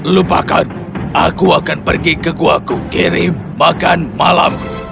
lupakan aku akan pergi ke gua ku kirim makan malamku